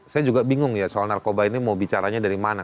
saya juga bingung ya soal narkoba ini mau bicaranya dari mana